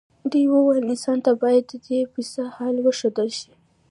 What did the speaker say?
دوی وویل انسان ته باید ددې پسه حال وښودل شي.